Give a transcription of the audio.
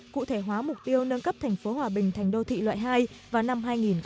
cụ thể hóa mục tiêu nâng cấp thành phố hòa bình thành đô thị loại hai vào năm hai nghìn hai mươi